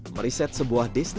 meriset sebuah destinasi